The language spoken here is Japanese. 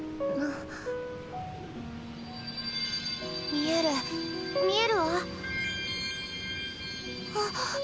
見える見えるわ。